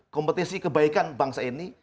kompetisi kebaikan bangsa ini